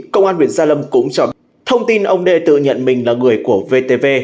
công an huyện gia lâm cũng cho biết thông tin ông đê tự nhận mình là người của vtv